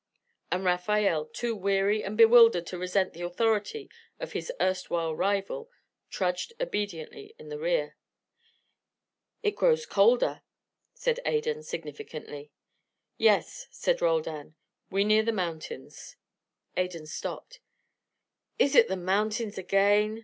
And Rafael, too weary and bewildered to resent the authority of his erst while rival, trudged obediently in the rear. "It grows colder," said Adan, significantly. "Yes," said Roldan. "We near the mountains." Adan stopped. "Is it the mountains again?"